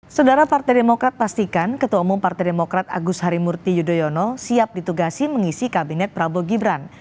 saudara partai demokrat pastikan ketua umum partai demokrat agus harimurti yudhoyono siap ditugasi mengisi kabinet prabowo gibran